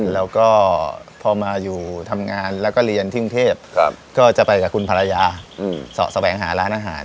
แล้วก็พอมาอยู่ทำงานแล้วก็เรียนที่กรุงเทพก็จะไปกับคุณภรรยาแสวงหาร้านอาหาร